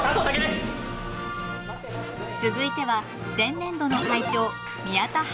続いては前年度の会長